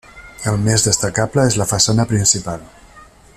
El més destacable és la façana principal.